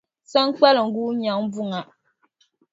Saŋkpaliŋ guui nyaŋ buŋa.